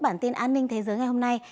bản tin an ninh thế giới ngày hôm nay